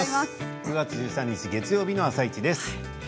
９月１３日月曜日の「あさイチ」です。